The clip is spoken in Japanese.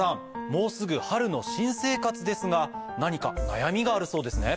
もうすぐ春の新生活ですが何か悩みがあるそうですね。